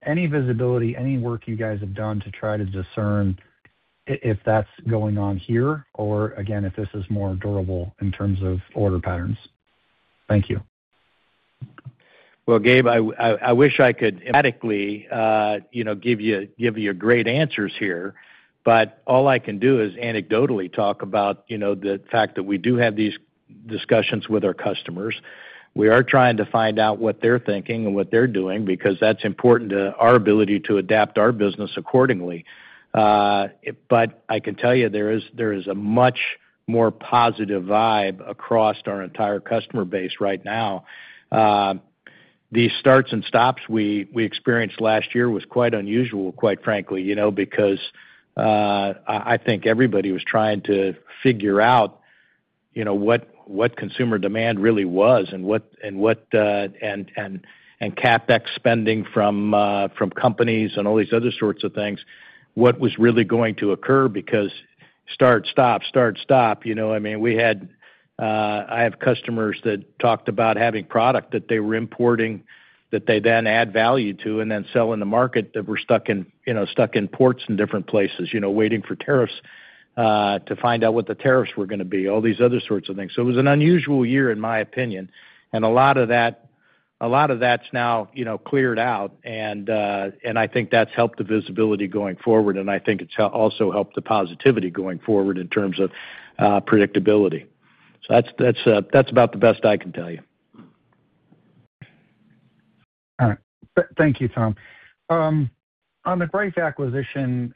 Any visibility, any work you guys have done to try to discern if that's going on here, or again, if this is more durable in terms of order patterns? Thank you. Well, Gabe, I wish I could dramatically, you know, give you great answers here, but all I can do is anecdotally talk about, you know, the fact that we do have these discussions with our customers. We are trying to find out what they're thinking and what they're doing, because that's important to our ability to adapt our business accordingly. But I can tell you, there is, there is a much more positive vibe across our entire customer base right now. The starts and stops we experienced last year was quite unusual, quite frankly, you know, because I think everybody was trying to figure out, you know, what consumer demand really was and what, and what... CapEx spending from from companies and all these other sorts of things, what was really going to occur? Because start, stop, start, stop, you know, I mean, we had, I have customers that talked about having product that they were importing, that they then add value to and then sell in the market, that were stuck in, you know, stuck in ports in different places, you know, waiting for tariffs to find out what the tariffs were gonna be, all these other sorts of things. So it was an unusual year, in my opinion, and a lot of that, a lot of that's now, you know, cleared out. And and I think that's helped the visibility going forward, and I think it's also helped the positivity going forward in terms of predictability. So that's about the best I can tell you. All right. Thank you, Tom. On the Greif acquisition,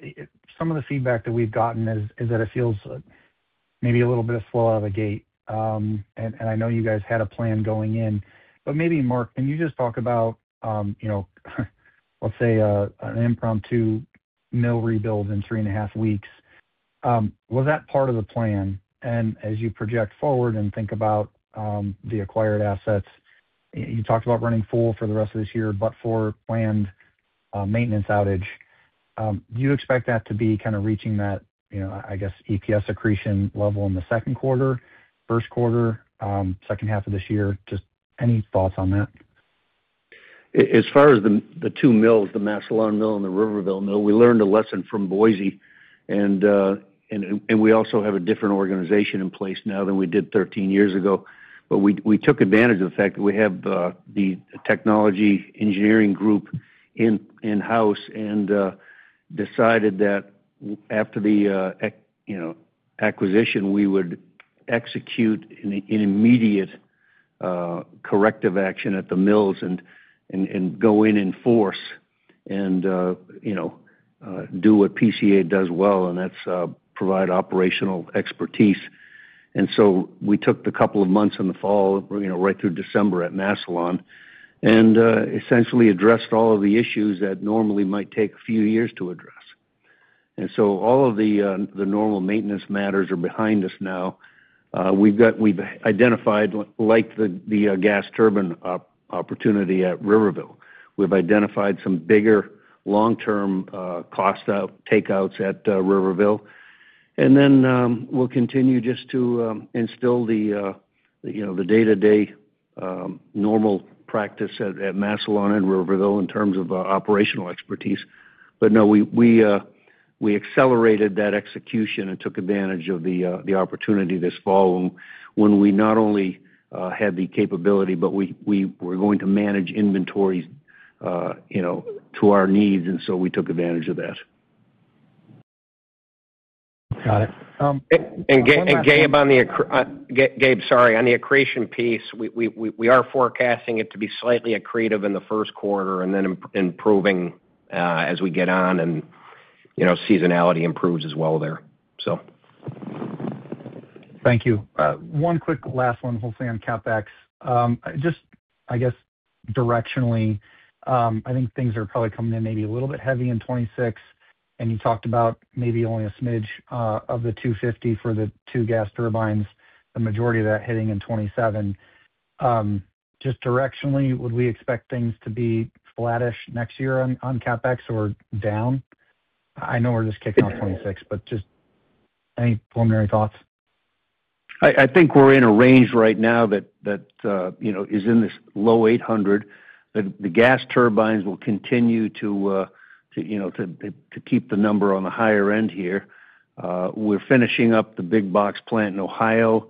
some of the feedback that we've gotten is that it feels maybe a little bit slow out of the gate. And I know you guys had a plan going in, but maybe, Mark, can you just talk about, you know, let's say, an impromptu mill rebuild in three and a half weeks? Was that part of the plan? And as you project forward and think about the acquired assets, you talked about running full for the rest of this year, but for planned maintenance outage, do you expect that to be kind of reaching that, you know, I guess, EPS accretion level in the second quarter, first quarter, second half of this year? Just any thoughts on that? As far as the two mills, the Massillon Mill and the Riverville Mill, we learned a lesson from Boise, and we also have a different organization in place now than we did 13 years ago. But we took advantage of the fact that we have the technology engineering group in-house, and decided that after the, you know, acquisition, we would execute an immediate corrective action at the mills and go in force and, you know, do what PCA does well, and that's provide operational expertise. And so we took the couple of months in the fall, you know, right through December at Massillon, and essentially addressed all of the issues that normally might take a few years to address. And so all of the normal maintenance matters are behind us now. We've identified, like the gas turbine opportunity at Riverville. We've identified some bigger long-term cost takeouts at Riverville. And then we'll continue just to instill the you know the day-to-day normal practice at Massillon and Riverville in terms of operational expertise. But no, we accelerated that execution and took advantage of the opportunity this fall when we not only had the capability, but we were going to manage inventories you know to our needs, and so we took advantage of that. Got it. Gabe, on the accretion piece, we are forecasting it to be slightly accretive in the first quarter and then improving as we get on and, you know, seasonality improves as well there, so. Thank you. One quick last one, we'll stay on CapEx. Just, I guess, directionally, I think things are probably coming in maybe a little bit heavy in 2026, and you talked about maybe only a smidge of the $250 million for the two gas turbines, the majority of that hitting in 2027. Just directionally, would we expect things to be flattish next year on CapEx or down? I know we're just kicking off 2026, but just any preliminary thoughts? I think we're in a range right now that you know is in this low 800. The gas turbines will continue to you know keep the number on the higher end here. We're finishing up the big box plant in Ohio.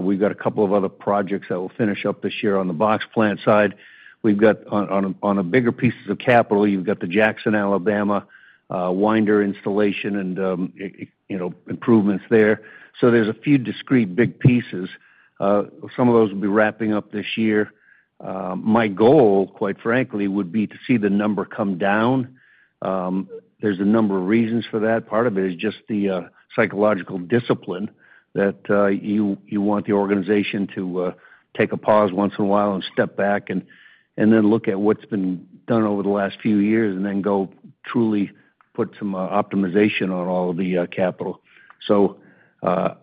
We've got a couple of other projects that will finish up this year on the box plant side. We've got on a bigger pieces of capital, you've got the Jackson, Alabama, winder installation and you know improvements there. So there's a few discrete big pieces. Some of those will be wrapping up this year. My goal, quite frankly, would be to see the number come down. There's a number of reasons for that. Part of it is just the psychological discipline that you, you want the organization to take a pause once in a while and step back and, and then look at what's been done over the last few years, and then go truly put some optimization on all of the capital. So,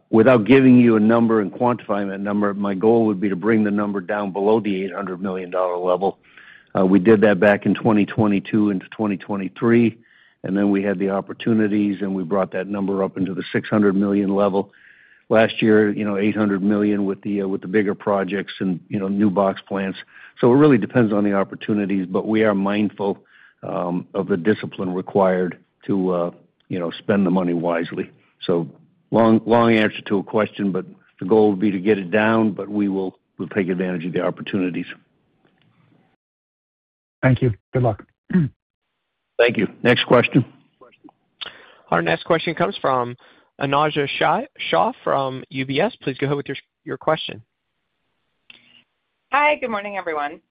without giving you a number and quantifying that number, my goal would be to bring the number down below the $800 million level. We did that back in 2022 into 2023, and then we had the opportunities, and we brought that number up into the $600 million level. Last year, you know, $800 million with the bigger projects and, you know, new box plants. So it really depends on the opportunities, but we are mindful of the discipline required to, you know, spend the money wisely. So long, long answer to a question, but the goal would be to get it down, but we will; we'll take advantage of the opportunities. Thank you. Good luck. Thank you. Next question. Our next question comes from Anojja Shah from UBS. Please go ahead with your question. Hi, good morning, everyone.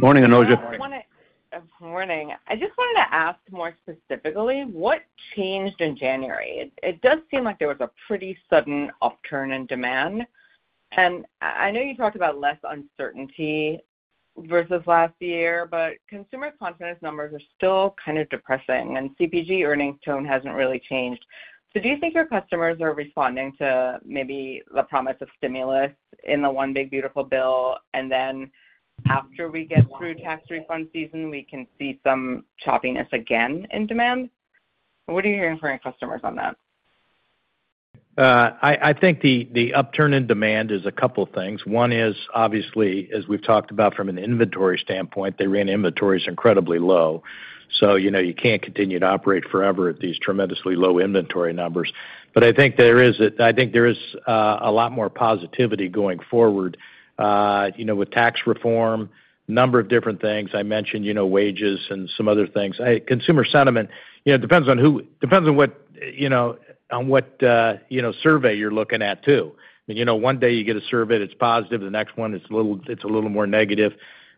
Morning, Anojja. Good morning. I just wanted to ask more specifically, what changed in January? It does seem like there was a pretty sudden upturn in demand. And I, I know you talked about less uncertainty versus last year, but consumer confidence numbers are still kind of depressing, and CPG earnings tone hasn't really changed. So do you think your customers are responding to maybe the promise of stimulus in the one big beautiful bill, and then after we get through tax refund season, we can see some choppiness again in demand? What are you hearing from your customers on that? I think the upturn in demand is a couple things. One is, obviously, as we've talked about from an inventory standpoint, they ran inventories incredibly low. So, you know, you can't continue to operate forever at these tremendously low inventory numbers. But I think there is a lot more positivity going forward, you know, with tax reform, a number of different things. I mentioned, you know, wages and some other things. Consumer sentiment, you know, it depends on what, you know, on what, you know, survey you're looking at, too. You know, one day you get a survey that's positive, the next one is a little more negative.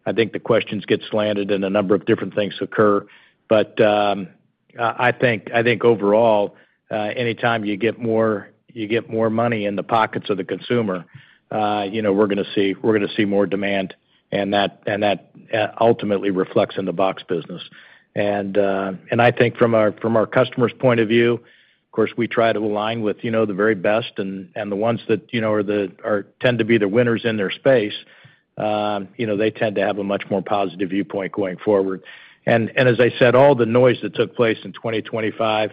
I think the questions get slanted, and a number of different things occur. I think, I think overall, anytime you get more, you get more money in the pockets of the consumer, you know, we're gonna see, we're gonna see more demand, and that, and that, ultimately reflects in the box business. I think from our, from our customer's point of view, of course, we try to align with, you know, the very best and, and the ones that, you know, tend to be the winners in their space. You know, they tend to have a much more positive viewpoint going forward. As I said, all the noise that took place in 2025,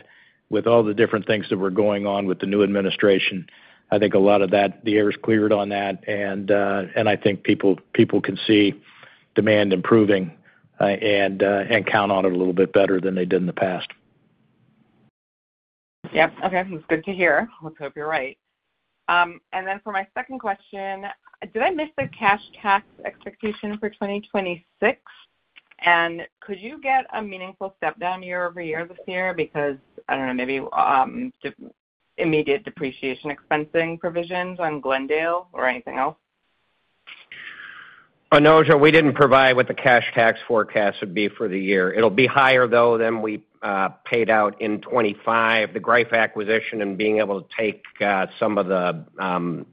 with all the different things that were going on with the new administration, I think a lot of that, the air is cleared on that, and I think people can see demand improving, and count on it a little bit better than they did in the past. Yep. Okay, it's good to hear. Let's hope you're right. And then for my second question, did I miss the cash tax expectation for 2026? And could you get a meaningful step down year over year this year? Because, I don't know, maybe, immediate depreciation expensing provisions on Glendale or anything else. Anojja, we didn't provide what the cash tax forecast would be for the year. It'll be higher, though, than we paid out in 2025. The Greif acquisition and being able to take some of the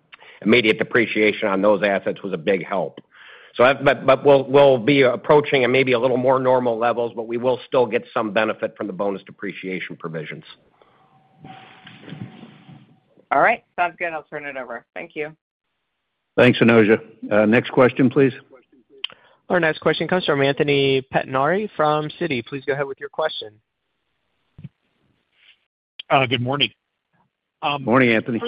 immediate depreciation on those assets was a big help. But we'll be approaching it maybe a little more normal levels, but we will still get some benefit from the bonus depreciation provisions. All right. Sounds good. I'll turn it over. Thank you. Thanks, Anojja. Next question, please. Our next question comes from Anthony Pettinari from Citi. Please go ahead with your question. Good morning. Morning, Anthony.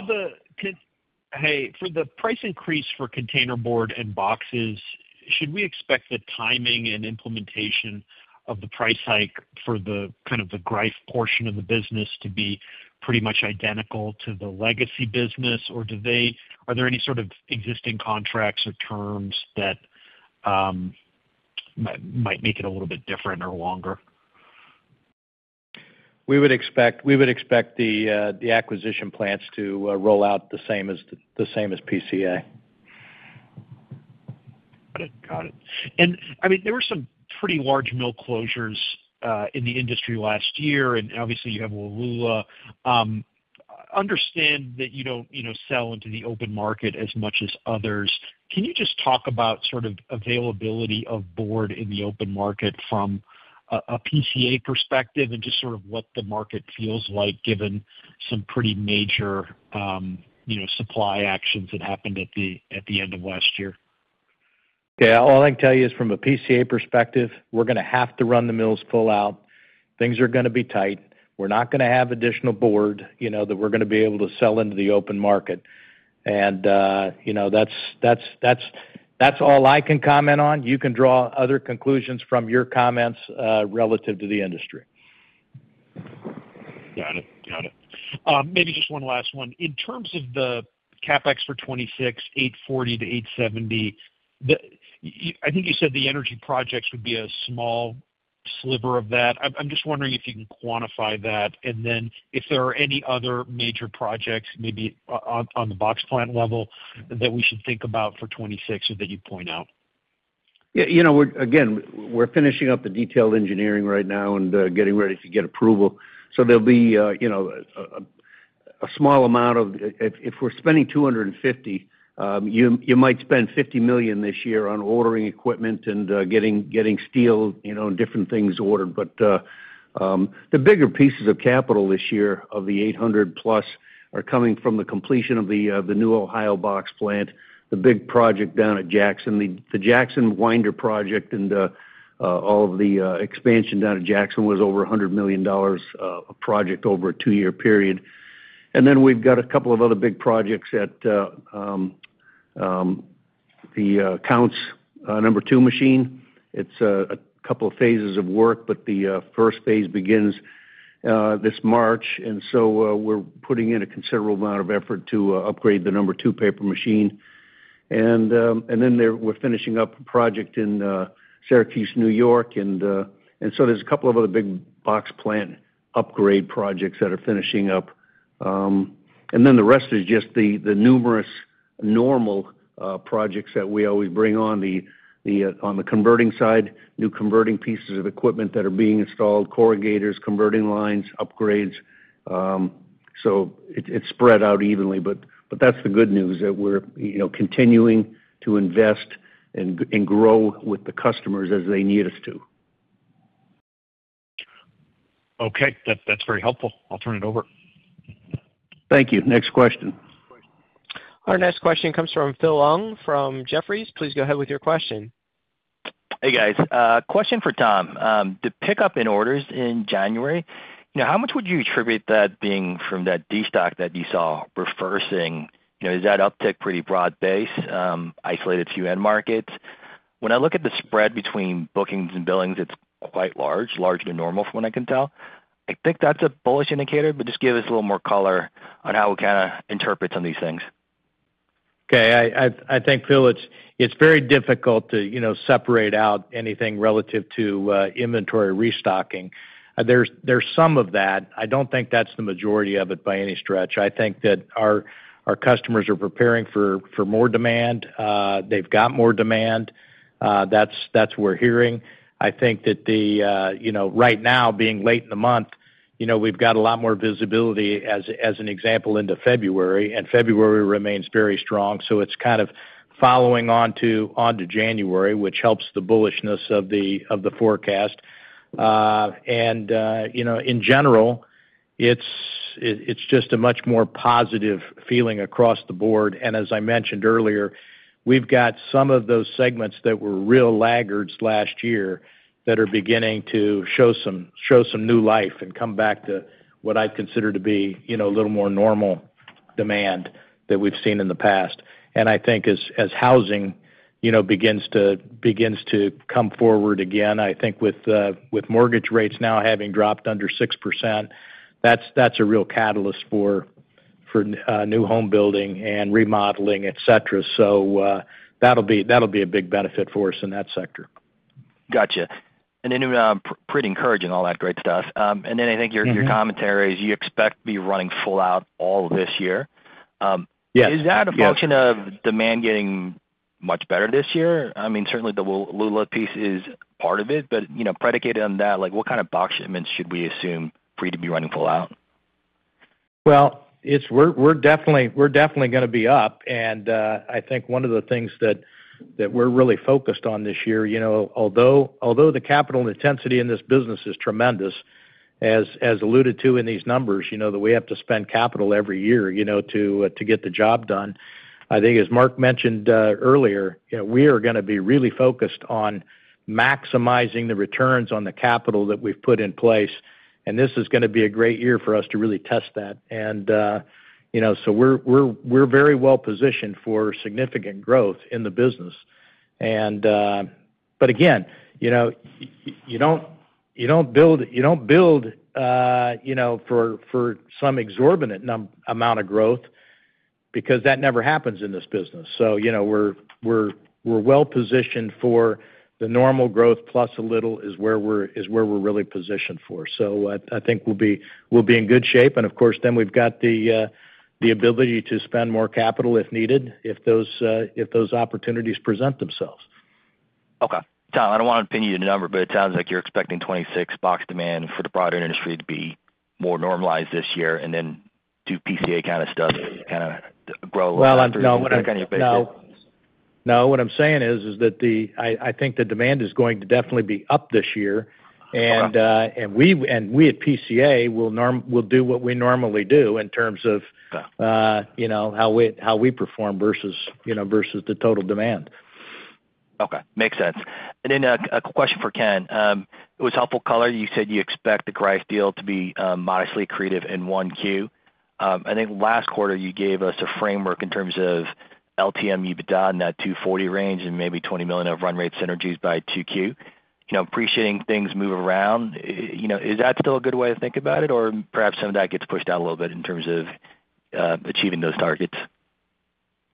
Hey, for the price increase for containerboard and boxes, should we expect the timing and implementation of the price hike for the kind of the Greif portion of the business to be pretty much identical to the legacy business? Or are there any sort of existing contracts or terms that might make it a little bit different or longer? We would expect the acquisition plans to roll out the same as PCA. Got it. Got it. And I mean, there were some pretty large mill closures in the industry last year, and obviously, you have Wallula. Understand that you don't, you know, sell into the open market as much as others. Can you just talk about sort of availability of board in the open market from a PCA perspective and just sort of what the market feels like, given some pretty major, you know, supply actions that happened at the end of last year? Yeah, all I can tell you is from a PCA perspective, we're gonna have to run the mills full out. Things are gonna be tight. We're not gonna have additional board, you know, that we're gonna be able to sell into the open market. And, you know, that's all I can comment on. You can draw other conclusions from your comments relative to the industry. Got it. Got it. Maybe just one last one. In terms of the CapEx for 2026, $840-$870, the, I think you said the energy projects would be a small sliver of that. I'm, I'm just wondering if you can quantify that, and then if there are any other major projects, maybe on the box plant level, that we should think about for 2026 or that you'd point out? Yeah, you know, we're finishing up the detailed engineering right now and getting ready to get approval. So there'll be, you know, a small amount of. If we're spending 250, you might spend $50 million this year on ordering equipment and getting steel, you know, and different things ordered. But the bigger pieces of capital this year, of the 800 plus, are coming from the completion of the new Ohio box plant, the big project down at Jackson. The Jackson winder project and all of the expansion down at Jackson was over $100 million project over a two-year period. And then we've got a couple of other big projects at the Counce number two machine. It's a couple of phases of work, but the first phase begins this March, and so we're putting in a considerable amount of effort to upgrade the number two paper machine. And then we're finishing up a project in Syracuse, New York. And so there's a couple of other big box plant upgrade projects that are finishing up. And then the rest is just the numerous normal projects that we always bring on. On the converting side, new converting pieces of equipment that are being installed, corrugators, converting lines, upgrades. So it's spread out evenly, but that's the good news, that we're, you know, continuing to invest and grow with the customers as they need us to. Okay. That, that's very helpful. I'll turn it over. Thank you. Next question. Our next question comes from Philip Ng from Jefferies. Please go ahead with your question. Hey, guys. Question for Tom. The pickup in orders in January, now, how much would you attribute that being from that destock that you saw reversing? You know, is that uptick pretty broad-based, isolated to end markets? When I look at the spread between bookings and billings, it's quite large, larger than normal from what I can tell. I think that's a bullish indicator, but just give us a little more color on how we kind of interpret these things. Okay. I think, Phil, it's very difficult to, you know, separate out anything relative to inventory restocking. There's some of that. I don't think that's the majority of it by any stretch. I think that our customers are preparing for more demand. They've got more demand. That's what we're hearing. I think that the, you know, right now, being late in the month, you know, we've got a lot more visibility, as an example, into February, and February remains very strong, so it's kind of following on to January, which helps the bullishness of the forecast. And, you know, in general, it's just a much more positive feeling across the board. As I mentioned earlier, we've got some of those segments that were real laggards last year that are beginning to show some new life and come back to what I'd consider to be, you know, a little more normal demand that we've seen in the past. And I think as housing, you know, begins to come forward again, I think with mortgage rates now having dropped under 6%, that's a real catalyst for new home building and remodeling, et cetera. So, that'll be a big benefit for us in that sector. Gotcha. And then, pretty encouraging, all that great stuff. And then I think your commentary is you expect to be running full out all this year. Yeah. Is that a function of demand getting much better this year? I mean, certainly the Wallula piece is part of it, but, you know, predicated on that, like, what kind of box shipments should we assume for you to be running full out? Well, we're definitely gonna be up, and I think one of the things that we're really focused on this year, you know, although the capital intensity in this business is tremendous, as alluded to in these numbers, you know, that we have to spend capital every year, you know, to get the job done. I think, as Mark mentioned earlier, you know, we are gonna be really focused on maximizing the returns on the capital that we've put in place, and this is gonna be a great year for us to really test that. And you know, so we're very well positioned for significant growth in the business. And... But again, you know, you don't, you don't build, you know, for, for some exorbitant amount of growth because that never happens in this business. So, you know, we're, we're, we're well positioned for the normal growth plus a little is where we're, is where we're really positioned for. So I, I think we'll be, we'll be in good shape, and of course, then we've got the ability to spend more capital if needed, if those opportunities present themselves. Okay. Tom, I don't want to pin you to the number, but it sounds like you're expecting 26 box demand for the broader industry to be more normalized this year, and then do PCA kind of stuff, kind of grow- Well, no, what I. Kind of your basis. No. No, what I'm saying is that the, I think the demand is going to definitely be up this year. Okay. And we at PCA will do what we normally do in terms of you know, how we perform versus, you know, versus the total demand. Okay, makes sense. And then, a question for Kent. It was helpful color, you said you expect the Greif deal to be modestly accretive in 1Q. I think last quarter you gave us a framework in terms of LTM EBITDA in that 240 range and maybe $20 million of run rate synergies by 2Q. You know, appreciating things move around, you know, is that still a good way to think about it? Or perhaps some of that gets pushed out a little bit in terms of achieving those targets?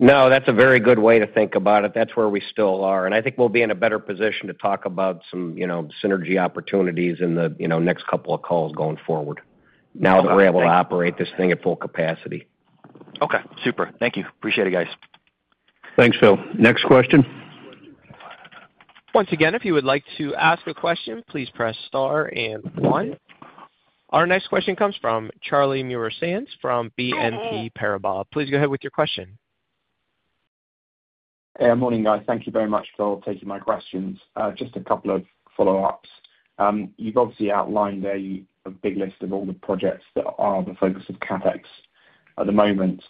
No, that's a very good way to think about it. That's where we still are, and I think we'll be in a better position to talk about some, you know, synergy opportunities in the, you know, next couple of calls going forward, now that we're able to operate this thing at full capacity. Okay, super. Thank you. Appreciate it, guys. Thanks, Phil. Next question. Once again, if you would like to ask a question, please press star and one. Our next question comes from Charlie Muir-Sands from BNP Paribas. Please go ahead with your question. Hey, morning, guys. Thank you very much for taking my questions. Just a couple of follow-ups. You've obviously outlined a big list of all the projects that are the focus of CapEx at the moment.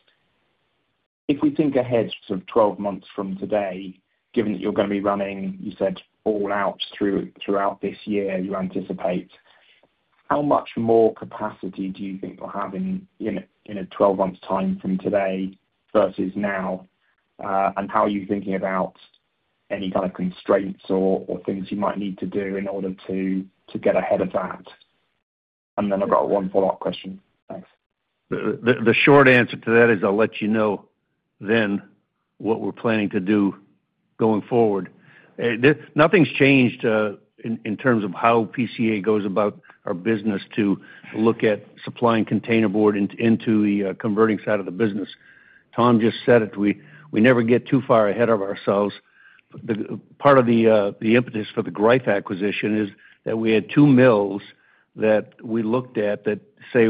If we think ahead sort of 12 months from today, given that you're gonna be running, you said all out throughout this year, you anticipate, how much more capacity do you think you'll have in a 12-month time from today versus now? And how are you thinking about any kind of constraints or things you might need to do in order to get ahead of that? And then I've got one follow-up question. Thanks. The short answer to that is I'll let you know then what we're planning to do going forward. Nothing's changed in terms of how PCA goes about our business to look at supplying containerboard into the converting side of the business. Tom just said it, we never get too far ahead of ourselves. Part of the impetus for the Greif acquisition is that we had two mills that we looked at that say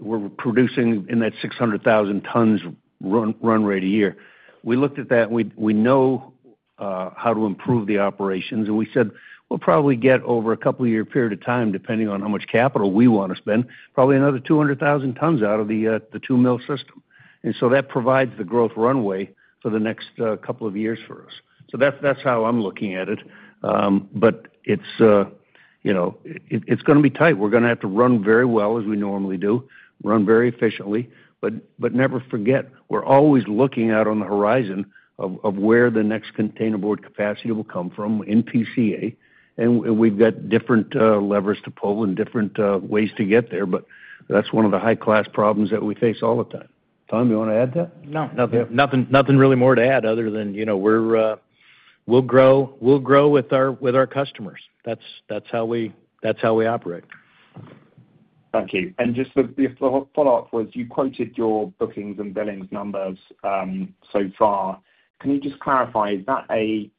were producing in that 600,000 tons run rate a year. We looked at that, and we know how to improve the operations, and we said we'll probably get over a couple year period of time, depending on how much capital we wanna spend, probably another 200,000 tons out of the two mill system. And so that provides the growth runway for the next couple of years for us. So that's, that's how I'm looking at it. But it's, you know, it, it's gonna be tight. We're gonna have to run very well, as we normally do, run very efficiently, but, but never forget, we're always looking out on the horizon of, of where the next containerboard capacity will come from in PCA, and, and we've got different levers to pull and different ways to get there, but that's one of the high-class problems that we face all the time. Tom, you wanna add to that? No, nothing, nothing, nothing really more to add other than, you know, we're, we'll grow, we'll grow with our, with our customers. That's, that's how we, that's how we operate. Thank you. And just the follow-up was, you quoted your bookings and billings numbers so far. Can you just clarify, is that a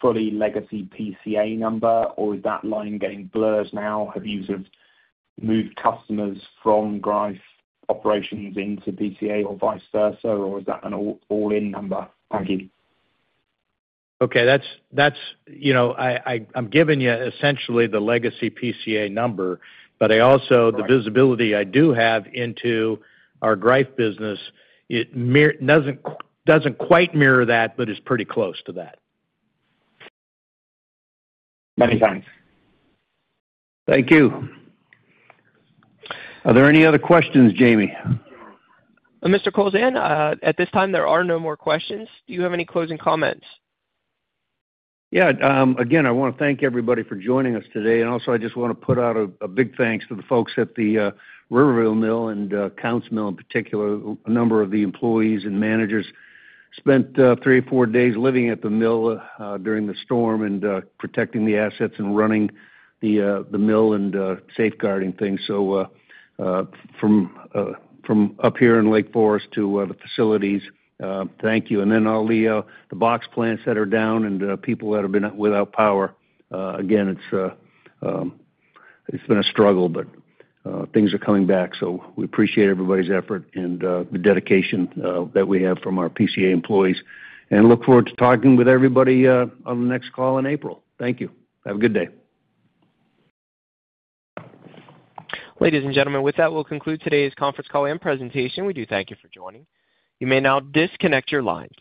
fully legacy PCA number, or is that line getting blurred now? Have you sort of moved customers from Greif's operations into PCA or vice versa, or is that an all-in number? Thank you. Okay, you know, I'm giving you essentially the legacy PCA number, but I also- Right. The visibility I do have into our Greif business, it doesn't quite mirror that, but it's pretty close to that. Many thanks. Thank you. Are there any other questions, Jamie? Mr. Kowlzan, at this time, there are no more questions. Do you have any closing comments? Yeah, again, I wanna thank everybody for joining us today. And also, I just wanna put out a big thanks to the folks at the Riverville mill and Counce mill in particular. A number of the employees and managers spent three or four days living at the mill during the storm and protecting the assets and running the mill and safeguarding things. So, from up here in Lake Forest to the facilities, thank you. And then all the, the box plants that are down and, people that have been without power, again, it's, it's been a struggle, but, things are coming back, so we appreciate everybody's effort and, the dedication, that we have from our PCA employees, and look forward to talking with everybody, on the next call in April. Thank you. Have a good day. Ladies and gentlemen, with that, we'll conclude today's conference call and presentation. We do thank you for joining. You may now disconnect your lines.